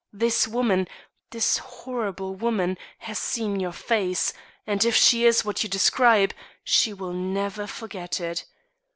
This woman this horrible woman has seen your face, and, if she is what you describe, she will never forget it.